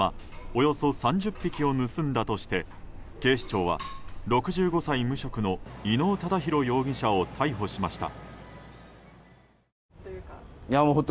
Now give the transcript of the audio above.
およそ３０匹を盗んだとして、警視庁は６５歳無職の伊能忠弘容疑者を逮捕しました。